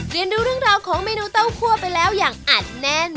เรียนดูเรื่องราวของเมนูเต้าคั่วไปแล้วอย่างอัดแน่น